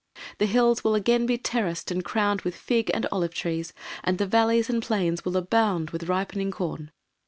The hills will again be terraced and crowned with fig and olive trees, and the valleys and plains will abound with ripening corn.